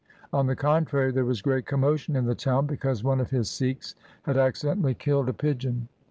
On the contrary, there was great commotion in the town because one of his Sikhs had accidentally killed a pigeon.